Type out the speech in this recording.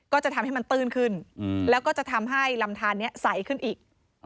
ก็จะทำให้มันตื้นขึ้นแล้วก็จะทำให้ลำทานนี้ใสขึ้นอีก